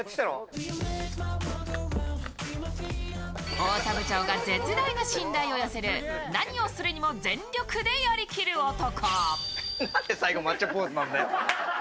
太田部長が絶大な信頼を寄せる、何をするにも全力でやりきる男。